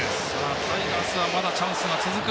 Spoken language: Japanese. タイガースはまだチャンスが続く